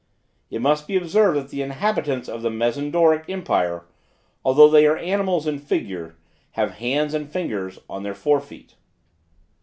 It must be observed that the inhabitants of the Mezendoric empire, although they are animals in figure, have hands and fingers on the fore feet.